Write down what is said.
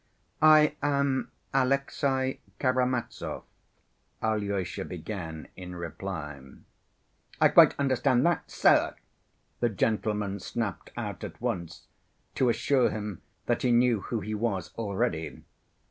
"I am Alexey Karamazov," Alyosha began in reply. "I quite understand that, sir," the gentleman snapped out at once to assure him that he knew who he was already.